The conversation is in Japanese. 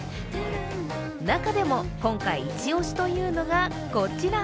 中でも、今回一押しというのがこちら。